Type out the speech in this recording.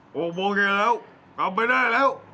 โหโมเกลียดแล้วกลับไปได้แล้ว